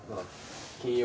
金曜。